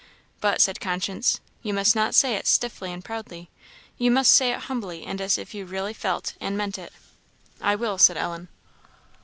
"But," said conscience, "you must not say it stiffly and proudly; you must say it humbly and as if you really felt and meant it." "I will," said Ellen.